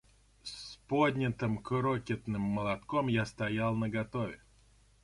С поднятым крокетным молотком я стоял наготове.